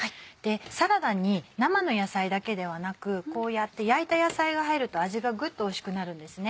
サラダに生の野菜だけではなくこうやって焼いた野菜が入ると味がグッとおいしくなるんですね。